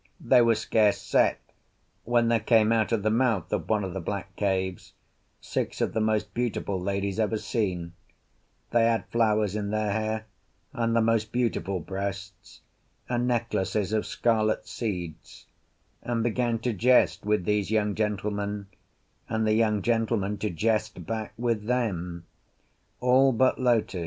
They were scarce set, when there came out of the mouth of one of the black caves six of the most beautiful ladies ever seen: they had flowers in their hair, and the most beautiful breasts, and necklaces of scarlet seeds; and began to jest with these young gentlemen, and the young gentlemen to jest back with them, all but Lotu.